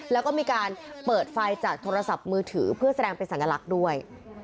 แล้วก็มีการเปิดไฟจากโทรศัพท์มือถือเพื่อแสดงเป็นสัญลักษณ์ด้วย